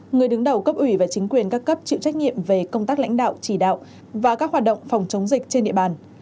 người đứng đầu cấp ủy và chính quyền các cấp chịu trách nhiệm về công tác lãnh đạo chỉ đạo và các hoạt động phòng chống dịch trên địa bàn